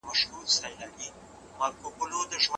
انسان ته د الهي امانت د ساتلو دنده وسپارل سوه.